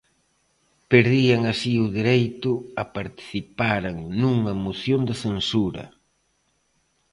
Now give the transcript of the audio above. Perdían así o direito a participaren nunha moción de censura.